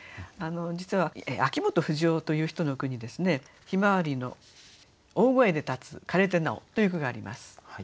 実は秋元不死男という人の句に「向日葵の大声で立つ枯れて尚」という句があります。